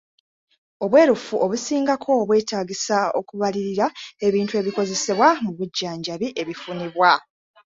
Obwerufu obusingako bwetaagisa okubalirira ebintu ebikozesebwa mu bujjanjabi ebifunibwa.